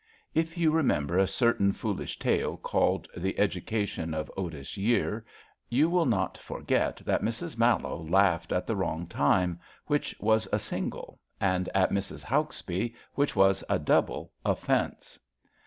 If you remember a certain foolish tale called '^ The Education of Otis Yeere/' you will not for get that Mrs. Mallowe laughed at the wrong time, which was a single, and at Mrs. Hauksbee, which .was a double, offence.